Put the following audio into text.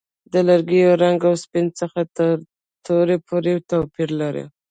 د لرګي رنګ له سپین څخه تر تور پورې توپیر لري.